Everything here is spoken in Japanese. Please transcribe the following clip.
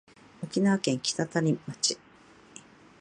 沖縄県北谷町